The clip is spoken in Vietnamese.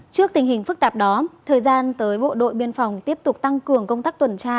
trước tình hình phức tạp đó thời gian tới bộ đội biên phòng tiếp tục tăng cường công tác tuần tra